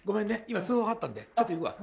今通報があったんでちょっと行くわ。